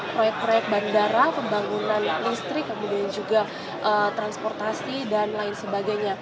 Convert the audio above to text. proyek proyek bandara pembangunan listrik kemudian juga transportasi dan lain sebagainya